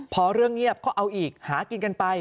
พอเรื่องเงียบก็เอาอีกหากินกันไป